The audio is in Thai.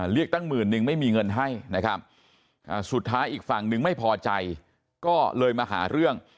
ตั้งหมื่นนึงไม่มีเงินให้นะครับสุดท้ายอีกฝั่งนึงไม่พอใจก็เลยมาหาเรื่อง